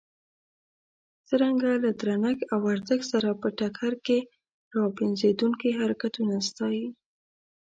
څرنګه له درنښت او ارزښت سره په ټکر کې را پنځېدونکي حرکتونه ستایي.